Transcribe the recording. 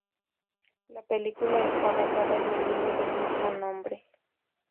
La película está basada en el libro del mismo nombre.